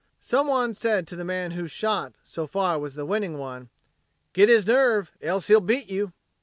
Some one said to the man whose shot, so far, was the winning one: "Git his nerve; else he'll beat you!"'